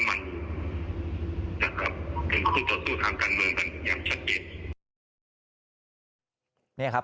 แต่ครับเป็นคุณต่อสู้ทางการเมืองกันอย่างชัดเก็บ